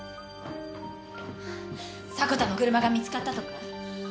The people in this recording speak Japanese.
迫田の車が見つかったとか？